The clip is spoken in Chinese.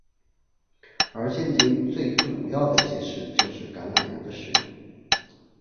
而现今最主要的解释就是橄榄油的使用。